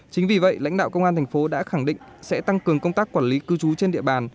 chính vì vậy lãnh đạo công an thành phố đã khẳng định sẽ tăng cường công tác quản lý cư trú trên địa bàn